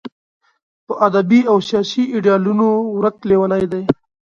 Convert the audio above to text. په ادبي او سیاسي ایډیالونو ورک لېونی دی.